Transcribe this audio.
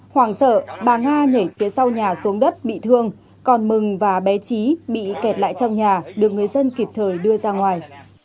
hoàng sợ bà nga nhảy phía sau nhà xuống đất bị thương còn mừng và bé trí bị kẹt lại trong nhà được người dân kịp thời đưa ra ngoài